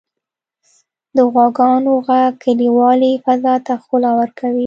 • د غواګانو ږغ کلیوالي فضا ته ښکلا ورکوي.